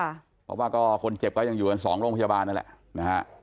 เพราะว่าก็คนเจ็บก็ยังอยู่กันสองโรงพยาบาลนั่นแหละนะฮะ